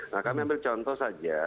nah kami ambil contoh saja